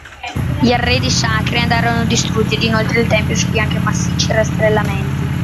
Gli arredi sacri andarono distrutti ed inoltre il tempio subì anche massicci rastrellamenti.